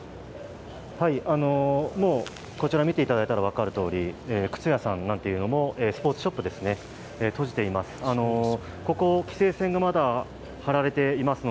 こちら、見ていただいたら分かるとおり靴屋さんなんていうのも、スポーツショップも閉じています。